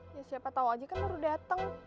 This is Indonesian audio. ya siapa tau aja kan baru datang